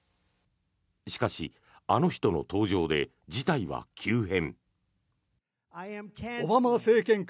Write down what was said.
しかし、あの人の登場で事態は急変。